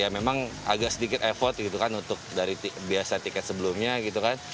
memang agak sedikit effort untuk biasa tiket sebelumnya